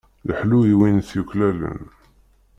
Leḥlu i win t-yuklalen.